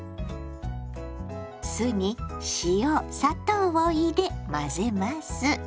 酢に塩砂糖を入れ混ぜます。